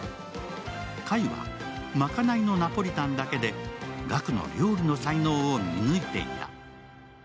海は、まかないのナポリタンだけで岳の料理の才能を見抜いていた。